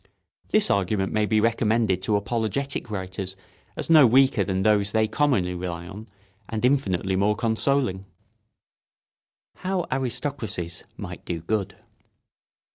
This argument may be recommended to apologetic writers as no weaker than those they commonly rely on, and infinitely more consoling. [Sidenote: How aristocracies might do good.